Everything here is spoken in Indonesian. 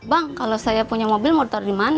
bang kalau saya punya mobil motor di mana